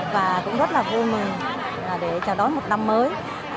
và cũng rất là vui mừng để chào đón một năm mới